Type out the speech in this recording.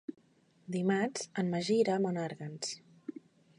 Dimarts en Magí irà a Menàrguens.